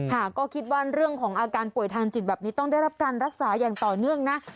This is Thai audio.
ค่ะก็คิดว่าเรื่องของอาการป่วยทางจิตแบบนี้ต้องได้รับการรักษาอย่างต่อเนื่องนะ